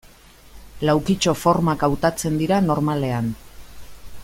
Laukitxo formak hautatzen dira normalean.